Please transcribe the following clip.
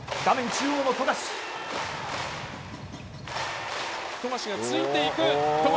中央の富樫。